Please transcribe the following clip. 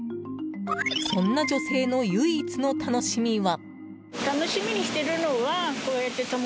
そんな女性の唯一の楽しみは。